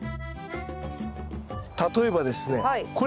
例えばですねこれ。